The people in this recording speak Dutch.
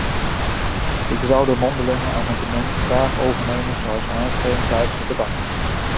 Ik zou dat mondelinge amendement graag overnemen, zoals aangegeven tijdens het debat.